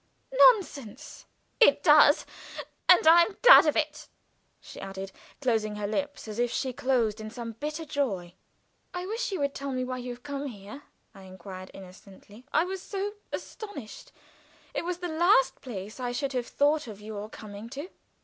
"Nonsense!" "It does And I am glad of it," she added, closing her lips as if she closed in some bitter joy. "I wish you would tell me why you have come here," I inquired, innocently. "I was so astonished. It was the last place I should have thought of your coming to."